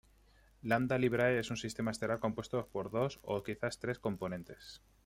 Lambda Librae es un sistema estelar compuesto por dos, o quizás tres, componentes.